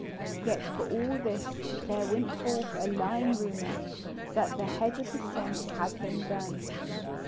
Yet for all this there went forth a lying rumour, that the head of the saint had been burnt.